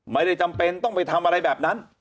จำเป็นต้องไปทำอะไรแบบนั้น